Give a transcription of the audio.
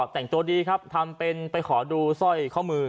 แต่งตัวดีครับทำเป็นไปขอดูสร้อยข้อมือ